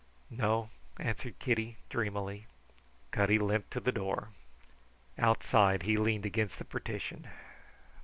"No," answered Kitty, dreamily. Cutty limped to the door. Outside he leaned against the partition.